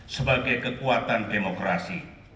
sebagai kekuatan demokrasi